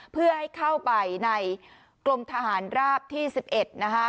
เพื่อให้เข้าไปในกรมทหารราบที่๑๑นะคะ